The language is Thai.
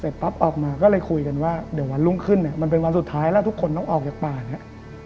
ปั๊บออกมาก็เลยคุยกันว่าเดี๋ยววันรุ่งขึ้นเนี่ยมันเป็นวันสุดท้ายแล้วทุกคนต้องออกจากป่าเนี่ย